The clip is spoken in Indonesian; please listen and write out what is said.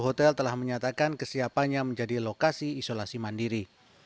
hotel telah menyatakan kesiapannya menjadi lokasi isolasi mandiri